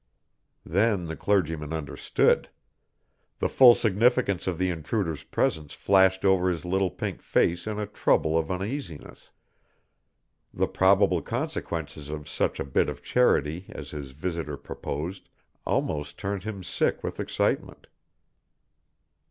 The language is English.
Then the clergyman understood. The full significance of the intruder's presence flashed over his little pink face in a trouble of uneasiness. The probable consequences of such a bit of charity as his visitor proposed almost turned him sick with excitement.